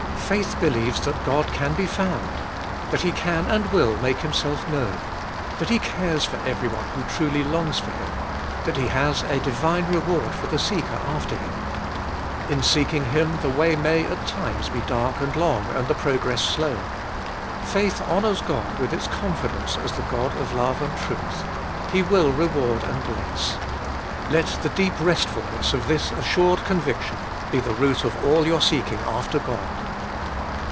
Faith believes that God can be found ; that He can and will make Himself known ; that He cares for everyone who truly longs for Him ; that He has a divine reward for the seeker after Him. In seeking Him the way may at times be dark and long, and the progress slow ; faith honours God with its con fidence as the God of love and truth ; He will reward and bless. Let the deep restfulness of this assured conviction be the root of all your seeking after God.